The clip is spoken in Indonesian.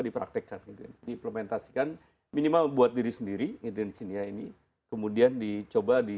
dipraktekkan implementasikan minimal buat diri sendiri dan sininya ini kemudian dicoba